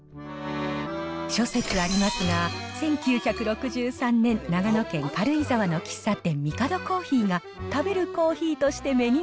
諸説ありますが、１９６３年、長野県軽井沢の喫茶店、ミカド珈琲が、食べるコーヒーとしてメニ